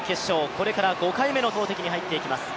これから５回目の投てきに入っていきます。